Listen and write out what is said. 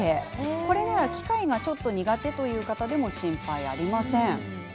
これなら機械がちょっと苦手という方でも心配ありません。